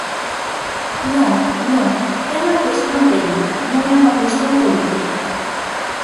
Non, non, é unha cuestión técnica, non é unha cuestión política.